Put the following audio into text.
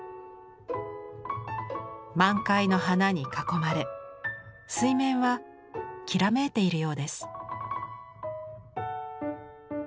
満開の花に囲まれ水面はきらめいているようです。